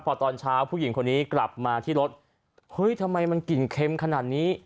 พอตอนเช้าผู้หญิงคนนี้กลับมาที่รถเฮ้ยทำไมมันกลิ่นเค็มขนาดนี้